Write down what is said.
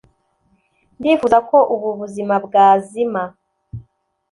Ndifuza ko ububuzima bwazima